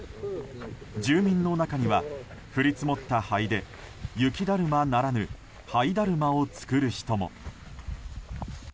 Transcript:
住民の中には、降り積もった灰で雪だるまならぬ灰だるまを作る人も。